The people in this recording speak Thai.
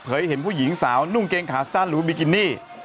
เผยให้เห็นผู้หญิงสาวนุ่งเกงขาสั้นหรือบีกินี่